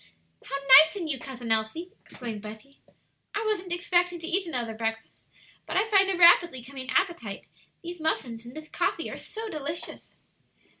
"How nice in you, Cousin Elsie!" exclaimed Betty. "I wasn't expecting to eat another breakfast, but I find a rapidly coming appetite; these muffins and this coffee are so delicious."